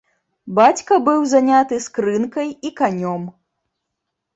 Бацька быў заняты скрынкай і канём.